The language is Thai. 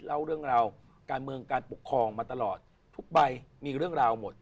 เล่าเรื่องราวการเมืองการปกครองมาตลอดทุกใบมีเรื่องราวหมด